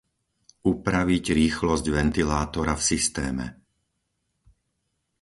Upraviť rýchlosť ventilátora v systéme.